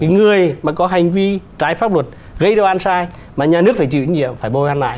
người mà có hành vi trái pháp luật gây oan sai mà nhà nước phải chịu trí nghiệm phải bồi oan lại